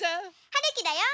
はるきだよ。